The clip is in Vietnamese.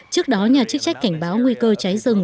trước đó nhà chức trách cảnh báo nguy cơ cháy rừng